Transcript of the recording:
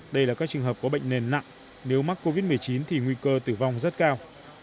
đây là các trường hợp có bệnh nền nặng nếu mắc covid một mươi chín thì nguy cơ tử vong rất cao